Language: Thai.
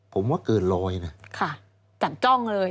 ผมว่าเกินร้อยนะค่ะจับจ้องเลย